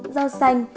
bốn rau xanh